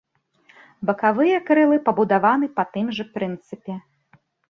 Бакавыя крылы пабудаваны па тым жа прынцыпе.